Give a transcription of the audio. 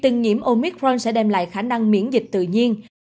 tình nhiễm omicron sẽ đem lại khả năng miễn dịch tự nhiên